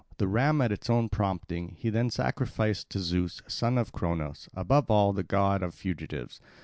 The ram, at its own prompting, he then sacrificed to Zeus, son of Cronos, above all, the god of fugitives.